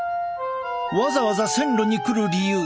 わざわざ線路に来る理由